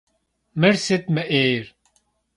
Мыр сыт мы Ӏейр?